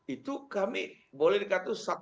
itu kami boleh dikata